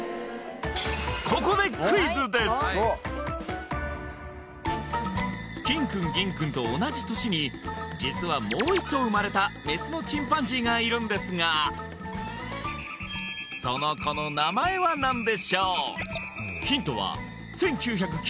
ここでキンくんギンくんと同じ年に実はもう１頭生まれたメスのチンパンジーがいるんですがその子の名前は何でしょう？